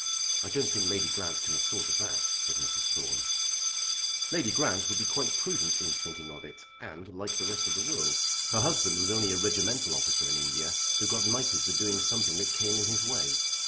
"I don't think Lady Grant can have thought of that," said Mrs. Thorne. "Lady Grant would be quite prudent in thinking of it and like the rest of the world. Her husband was only a regimental officer in India who got knighted for doing something that came in his way.